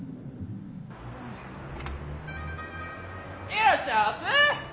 いらっしゃいあせ！